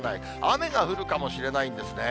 雨が降るかもしれないんですね。